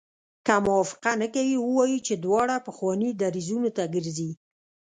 که موافقه نه کوي ووایي چې دواړه پخوانیو دریځونو ته ګرځي.